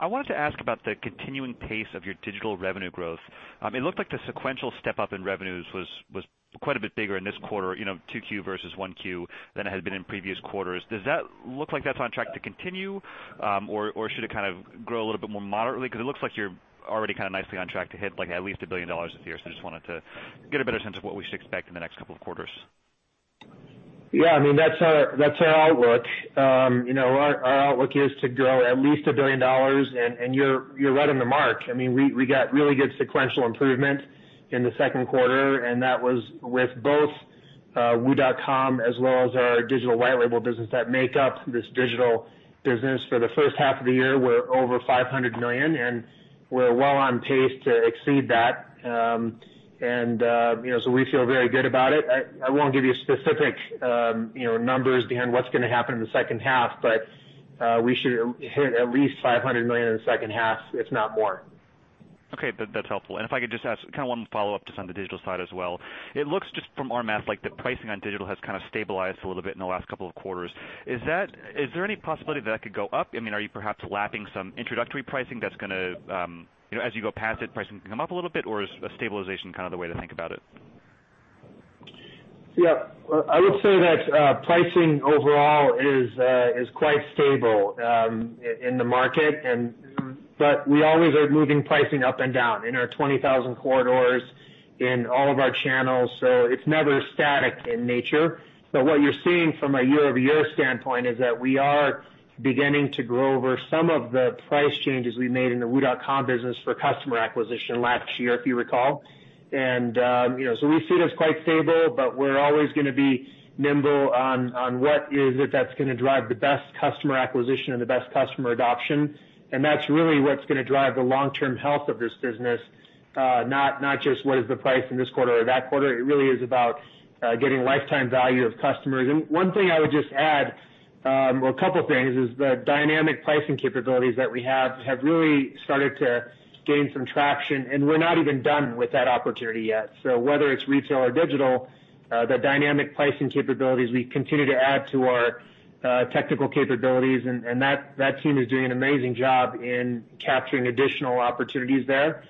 I: I wanted to ask about the continuing pace of your digital revenue growth. It looked like the sequential step up in revenues was quite a bit bigger in this quarter, 2Q versus 1Q, than it had been in previous quarters. Does that look like that's on track to continue? Or should it grow a little bit more moderately? It looks like you're already nicely on track to hit at least $1 billion this year. Just wanted to get a better sense of what we should expect in the next couple of quarters.
D: That's our outlook. Our outlook is to grow at least $1 billion, and you're right on the mark. We got really good sequential improvement in the second quarter, and that was with both wu.com as well as our digital white label business that make up this digital business. For the first half of the year, we're over $500 million, and we're well on pace to exceed that. We feel very good about it. I won't give you specific numbers behind what's going to happen in the second half, but we should hit at least $500 million in the second half, if not more.
I: Okay. That's helpful. If I could just ask one follow-up just on the digital side as well. It looks just from our math like the pricing on digital has stabilized a little bit in the last two quarters. Is there any possibility that could go up? Are you perhaps lapping some introductory pricing that's going to, as you go past it, pricing can come up a little bit? Is a stabilization the way to think about it?
D: Yeah. I would say that pricing overall is quite stable in the market. We always are moving pricing up and down in our 20,000 corridors, in all of our channels. It's never static in nature. What you're seeing from a year-over-year standpoint is that we are beginning to grow over some of the price changes we made in the wu.com business for customer acquisition last year, if you recall. We see it as quite stable. We're always going to be nimble on what is it that's going to drive the best customer acquisition and the best customer adoption. That's really what's going to drive the long-term health of this business, not just what is the price in this quarter or that quarter. It really is about getting lifetime value of customers. One thing I would just add, well, a couple things, is the dynamic pricing capabilities that we have really started to gain some traction, and we're not even done with that opportunity yet. Whether it's retail or digital, the dynamic pricing capabilities we continue to add to our technical capabilities, and that team is doing an amazing job in capturing additional opportunities there.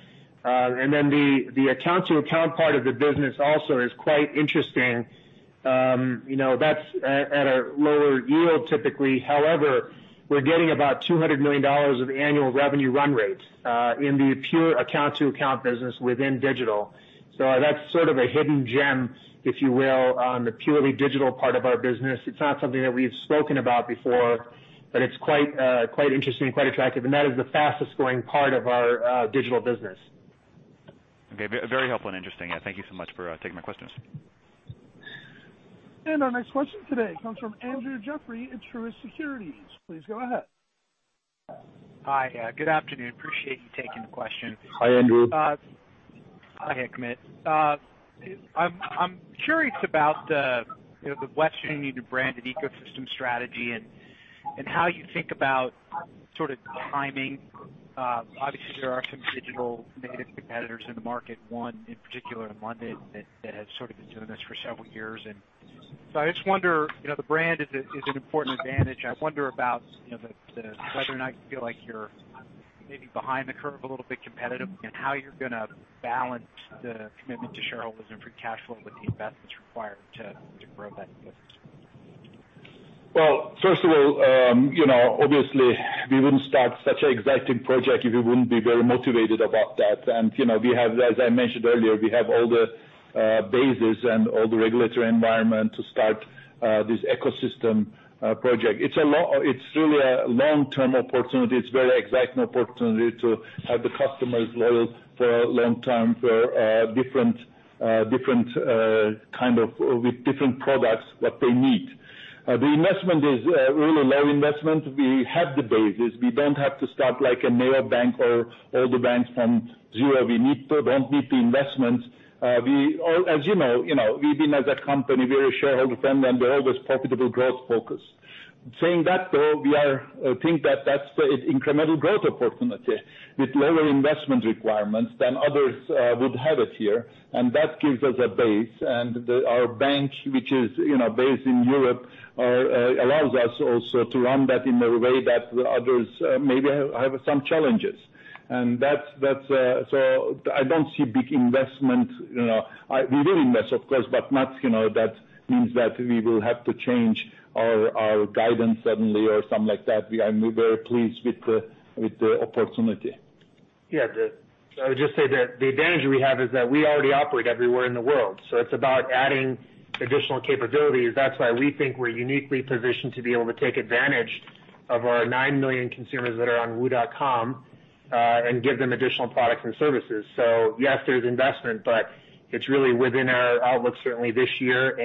D: Then the account-to-account part of the business also is quite interesting. That's at a lower yield typically. However, we're getting about $200 million of annual revenue run rate in the pure account-to-account business within digital. That's sort of a hidden gem, if you will, on the purely digital part of our business. It's not something that we've spoken about before, but it's quite interesting, quite attractive, and that is the fastest-growing part of our digital business.
I: Okay. Very helpful and interesting. Thank you so much for taking my questions.
A: Our next question today comes from Andrew Jeffrey at Truist Securities. Please go ahead.
J: Hi. Good afternoon. Appreciate you taking the question.
C: Hi, Andrew.
J: Hi, Hikmet. I'm curious about the Western Union brand and ecosystem strategy and how you think about sort of timing. Obviously, there are some digital native competitors in the market, one in particular in London that has sort of been doing this for several years. I just wonder, the brand is an important advantage. I wonder about whether or not you feel like you're maybe behind the curve a little bit competitive, and how you're going to balance the commitment to shareholders and free cash flow with the investments required to grow that business.
C: Well, first of all, obviously we wouldn't start such an exacting project if we wouldn't be very motivated about that. As I mentioned earlier, we have all the bases and all the regulatory environment to start this ecosystem project. It's really a long-term opportunity. It's very exciting opportunity to have the customers loyal for a long time with different products that they need. The investment is a really low investment. We have the bases. We don't have to start like a neobank or all the banks from zero. We don't need the investments. As you know, we've been, as a company, very shareholder friendly and we're always profitable growth focused. Saying that, though, we think that that's an incremental growth opportunity with lower investment requirements than others would have it here. That gives us a base. Our bank, which is based in Europe, allows us also to run that in a way that others maybe have some challenges. I don't see big investment. We will invest, of course, but not that means that we will have to change our guidance suddenly or something like that. We are very pleased with the opportunity.
D: I would just say that the advantage we have is that we already operate everywhere in the world, so it's about adding additional capabilities. That's why we think we're uniquely positioned to be able to take advantage of our 9 million consumers that are on wu.com, and give them additional products and services. Yes, there's investment, but it's really within our outlook, certainly this year.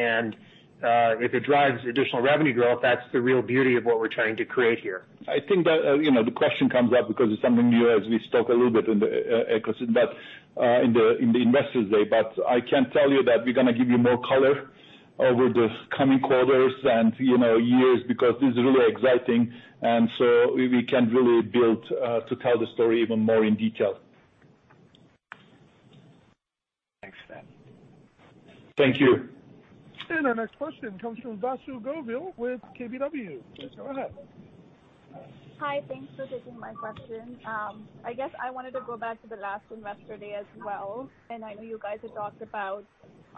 D: If it drives additional revenue growth, that's the real beauty of what we're trying to create here.
C: I think that the question comes up because it's something new, as we spoke a little bit in the Investor Day, but I can tell you that we're going to give you more color over the coming quarters and years, because this is really exciting, and so we can really build to tell the story even more in detail.
J: Thanks for that.
C: Thank you.
A: Our next question comes from Vasu Govil with KBW. Please go ahead.
K: Hi. Thanks for taking my question. I guess I wanted to go back to the last Investor Day as well. I know you guys had talked about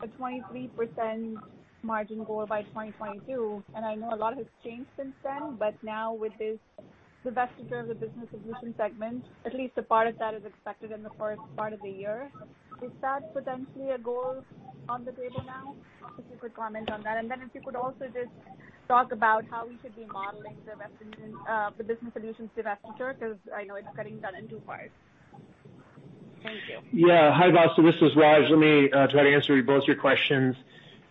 K: a 23% margin goal by 2022, and I know a lot has changed since then, but now with this divestiture of the Business Solutions segment, at least a part of that is expected in the first part of the year. Is that potentially a goal on the table now? If you could comment on that, and then if you could also just talk about how we should be modeling the Business Solutions divestiture, because I know it's getting done in two parts. Thank you.
D: Yeah. Hi, Vasu, this is Raj. Let me try to answer both your questions.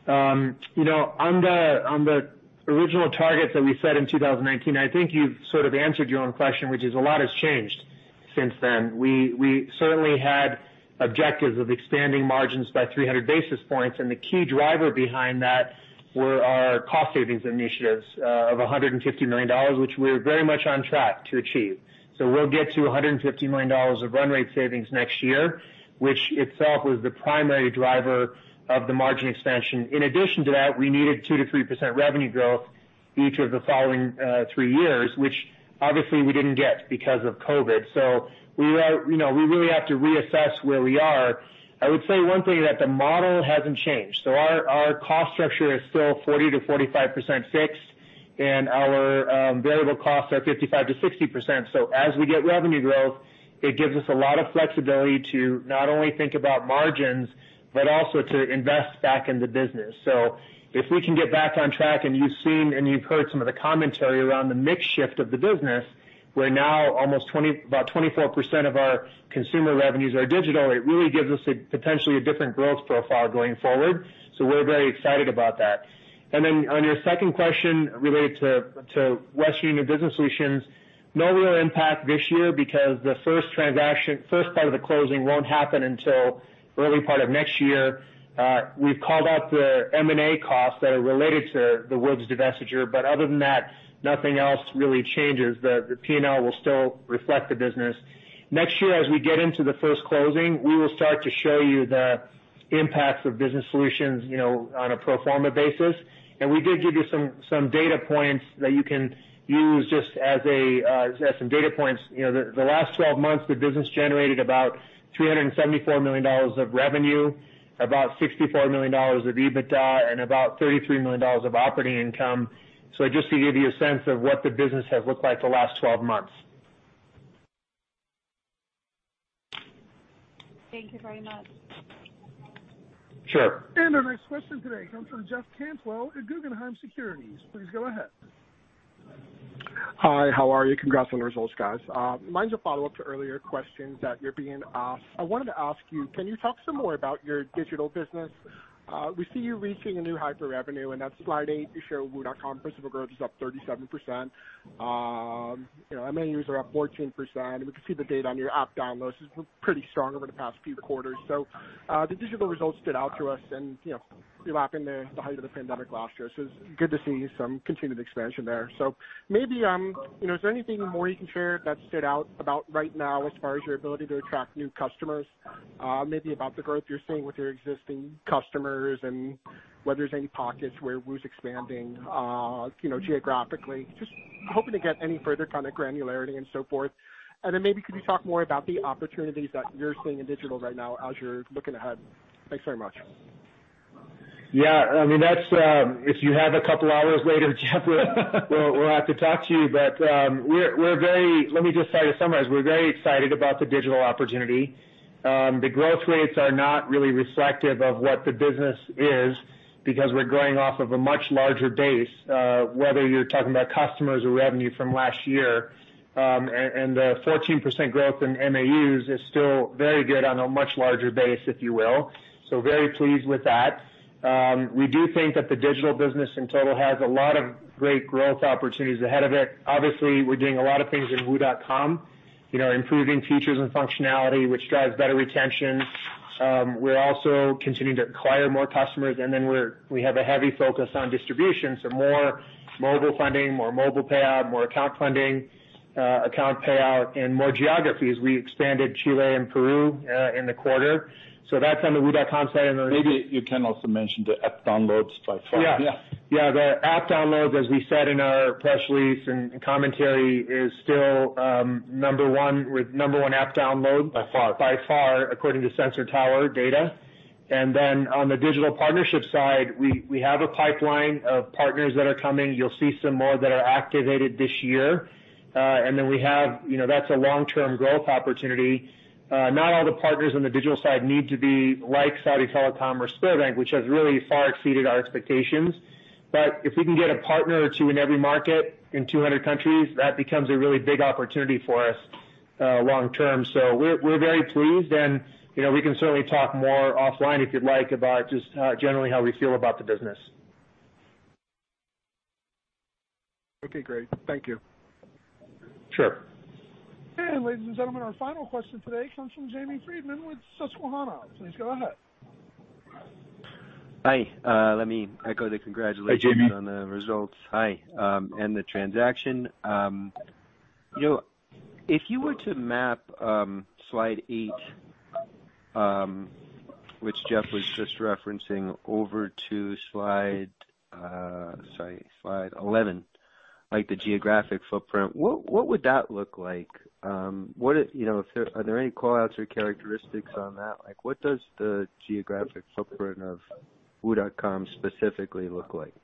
D: The original targets that we set in 2019, I think you've sort of answered your own question, which is a lot has changed since then. We certainly had objectives of expanding margins by 300 basis points, the key driver behind that were our cost savings initiatives of $150 million, which we're very much on track to achieve. We'll get to $150 million of run rate savings next year, which itself was the primary driver of the margin expansion. In addition to that, we needed 2%-3% revenue growth each of the following three years, which obviously we didn't get because of COVID-19. We really have to reassess where we are. I would say one thing, that the model hasn't changed. Our cost structure is still 40%-45% fixed and our variable costs are 55%-60%. As we get revenue growth, it gives us a lot of flexibility to not only think about margins, but also to invest back in the business. If we can get back on track, and you've seen, and you've heard some of the commentary around the mix shift of the business, where now almost about 24% of our consumer revenues are digital, it really gives us potentially a different growth profile going forward. We're very excited about that. On your second question related to Western Union Business Solutions, no real impact this year because the first part of the closing won't happen until early part of next year. We've called out the M&A costs that are related to the WU's divestiture. Other than that, nothing else really changes. The P&L will still reflect the business. Next year, as we get into the first closing, we will start to show you the impacts of Business Solutions on a pro forma basis. We did give you some data points that you can use just as some data points. The last 12 months, the business generated about $374 million of revenue, about $64 million of EBITDA, and about $33 million of operating income. Just to give you a sense of what the business has looked like the last 12 months.
K: Thank you very much.
D: Sure.
A: Our next question today comes from Jeff Cantwell at Guggenheim Securities. Please go ahead.
L: Hi, how are you? Congrats on the results, guys. Mine's a follow-up to earlier questions that you're being asked. I wanted to ask you, can you talk some more about your digital business? We see you reaching a new high for revenue, and that's slide eight, you show wu.com principal growth is up 37%. MAUs are up 14%, and we can see the data on your app downloads has been pretty strong over the past few quarters. The digital results stood out to us, and we're not in the height of the pandemic last year, so it's good to see some continued expansion there. Maybe, is there anything more you can share that stood out about right now as far as your ability to attract new customers? Maybe about the growth you're seeing with your existing customers, and whether there's any pockets where WU's expanding geographically. Just hoping to get any further kind of granularity and so forth. Then maybe could you talk more about the opportunities that you're seeing in digital right now as you're looking ahead? Thanks very much.
D: Yeah. If you have a couple of hours later, Jeff, we'll have to talk to you. Let me just try to summarize. We're very excited about the digital opportunity. The growth rates are not really reflective of what the business is because we're growing off of a much larger base, whether you're talking about customers or revenue from last year. The 14% growth in MAUs is still very good on a much larger base, if you will. Very pleased with that. We do think that the digital business in total has a lot of great growth opportunities ahead of it. Obviously, we're doing a lot of things in wu.com. Improving features and functionality, which drives better retention. We're also continuing to acquire more customers. We have a heavy focus on distribution, more mobile funding, more mobile payout, more account funding, account payout in more geographies. We expanded Chile and Peru in the quarter. That's on the wu.com side.
C: Maybe you can also mention the app downloads by far.
D: Yeah.
L: Yeah.
D: Yeah. The app downloads, as we said in our press release and commentary, is still number one app download-
C: By far.
D: By far, according to Sensor Tower data. On the digital partnership side, we have a pipeline of partners that are coming. You'll see some more that are activated this year. That's a long-term growth opportunity. Not all the partners on the digital side need to be like Saudi Telecom or Sberbank, which has really far exceeded our expectations. If we can get a partner or two in every market in 200 countries, that becomes a really big opportunity for us long-term. We're very pleased, and we can certainly talk more offline if you'd like about just generally how we feel about the business.
L: Okay, great. Thank you.
D: Sure.
A: Ladies and gentlemen, our final question today comes from Jamie Friedman with Susquehanna. Please go ahead.
M: Hi. Let me echo the congratulations-
C: Hi, Jamie.
M: On the results. Hi. The transaction. If you were to map slide eight, which Jeff was just referencing over to slide 11, like the geographic footprint, what would that look like? Are there any call-outs or characteristics on that? What does the geographic footprint of wu.com specifically look like?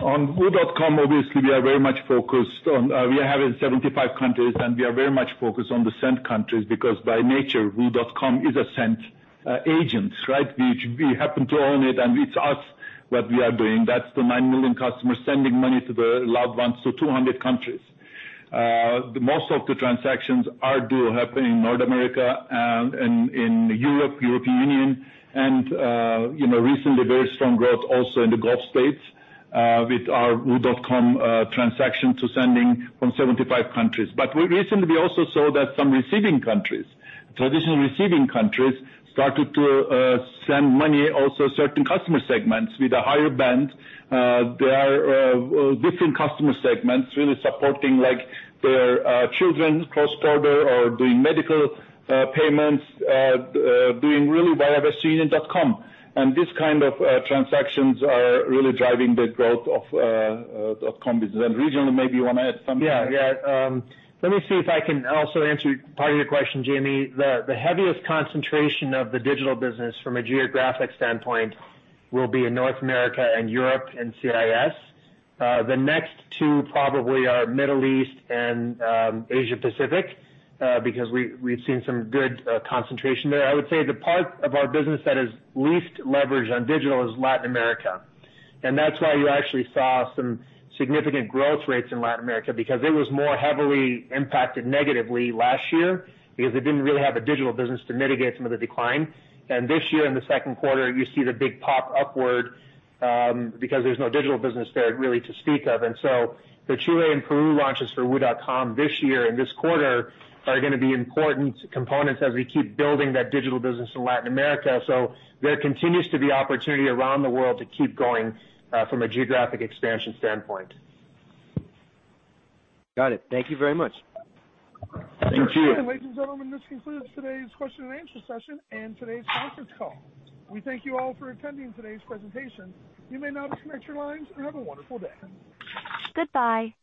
C: On wu.com, obviously we are very much focused on. We have in 75 countries, and we are very much focused on the send countries because by nature, wu.com is a send agent, right? It's us what we are doing. That's the 9 million customers sending money to their loved ones to 200 countries. Most of the transactions do happen in North America and in Europe, European Union, and recently very strong growth also in the Gulf States with our wu.com transaction to sending from 75 countries. Recently we also saw that some receiving countries, traditional receiving countries started to send money also certain customer segments with a higher band. There are different customer segments really supporting their children cross-border or doing medical payments, doing really well westernunion.com. This kind of transactions are really driving the growth of dot com business. Regional maybe you want to add something?
D: Yeah. Let me see if I can also answer part of your question, Jamie. The heaviest concentration of the digital business from a geographic standpoint will be in North America and Europe and CIS. The next two probably are Middle East and Asia-Pacific because we've seen some good concentration there. I would say the part of our business that is least leveraged on digital is Latin America. That's why you actually saw some significant growth rates in Latin America because it was more heavily impacted negatively last year because it didn't really have a digital business to mitigate some of the decline. This year in the second quarter, you see the big pop upward because there's no digital business there really to speak of. The Chile and Peru launches for wu.com this year and this quarter are going to be important components as we keep building that digital business in Latin America. There continues to be opportunity around the world to keep going from a geographic expansion standpoint.
M: Got it. Thank you very much.
D: Thank you.
A: Ladies and gentlemen, this concludes today's question and answer session and today's conference call. We thank you all for attending today's presentation. You may now disconnect your lines and have a wonderful day.